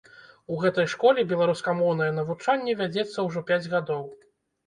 У гэтай школе беларускамоўнае навучанне вядзецца ўжо пяць гадоў.